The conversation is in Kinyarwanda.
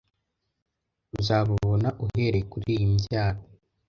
Uzababona uhereye kuriyi mbyaro